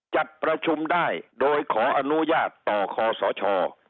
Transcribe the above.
จัดประชุมได้โดยขออนุญาตต่อคอสช